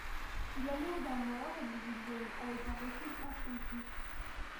Il a l'air d'un mort, dit Julienne avec un recul instinctif.